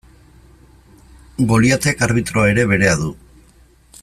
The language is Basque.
Goliatek arbitroa ere berea du.